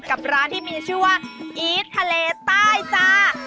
กับร้านที่มีชื่อว่าอีททะเลใต้จ้า